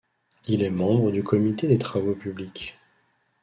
Il est membre du comité des travaux publics.